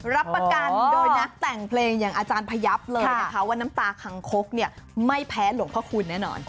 รับประกันโดยนักแต่งเพลงอย่างอาจารย์พยับเลยนะคะว่าน้ำตาคังคกเนี่ยไม่แพ้หลวงพระคุณแน่นอน